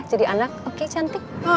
jadi anak oke cantik